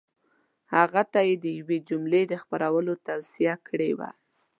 هغه ته یې د یوې مجلې د خپرولو توصیه کړې وه.